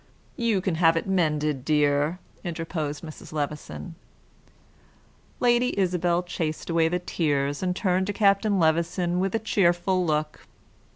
"You can have it mended, dear," interposed Mrs. Levison. Lady Isabel chased away the tears, and turned to Captain Levison with a cheerful look.